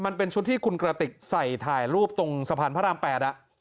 มันเป็นชุดที่คุณกระติกใส่ถ่ายรูปตรงสะพานพระราม๘